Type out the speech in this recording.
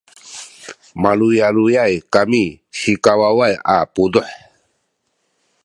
maluyaluyay kami sikawaway a puduh